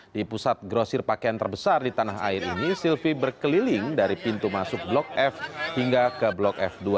di pusat grosir pakaian terbesar di tanah air ini silvie berkeliling dari pintu masuk blok f hingga ke blok f dua